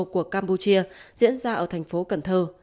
của campuchia diễn ra ở thành phố cần thơ